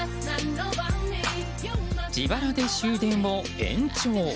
自腹で終電を延長。